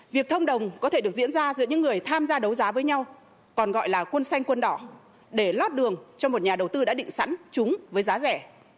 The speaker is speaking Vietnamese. việc thông đồng có thể được diễn ra giữa những người tham gia đấu giá với nhau còn gọi là quân xanh quân đỏ để lót đường cho một nhà đầu tư đã định sẵn chúng với giá rẻ